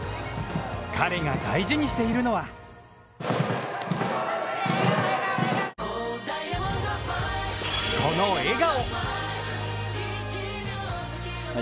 彼が大事にしているのはこの笑顔。